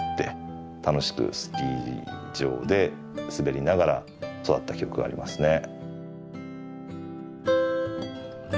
楽しくスキー場で滑りながら育った記憶がありますね。